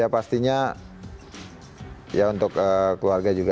ya pastinya ya untuk keluarga juga untuk tabung untuk keluarga untuk istri anak dan juga